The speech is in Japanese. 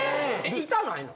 痛ないの？